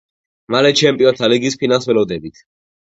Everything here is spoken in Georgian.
მალე ჩემპიონთა ლიგის ფინალს ველოდებით